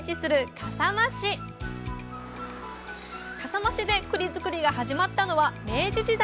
笠間市でくり作りが始まったのは明治時代。